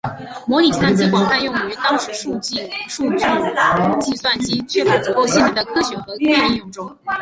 模拟计算机广泛用于当时数字计算机缺乏足够性能的科学和工业应用中。